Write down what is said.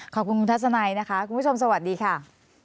ขอบคุณคุณทัศนัยนะคะคุณผู้ชมสวัสดีค่ะ